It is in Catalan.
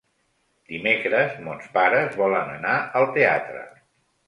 Dimecres mons pares volen anar al teatre.